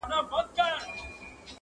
په خپل کور کي یې پردی پر زورور دی-